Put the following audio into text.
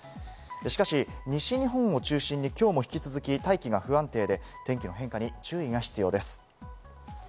しかし西日本を中心に、今日も引き続き大気が不安定で、天気の変化に注意が必要です。